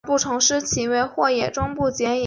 埃尔茨豪森是德国黑森州的一个市镇。